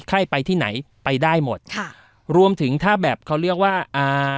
ใครไปที่ไหนไปได้หมดค่ะรวมถึงถ้าแบบเขาเรียกว่าอ่า